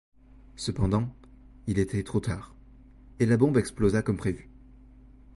Cependant, il était trop tard, et la bombe explosa comme prévu.